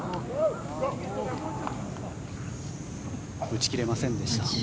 打ち切れませんでした。